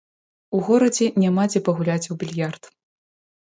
У горадзе няма дзе пагуляць у більярд.